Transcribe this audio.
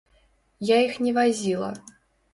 Я іх не вазіла.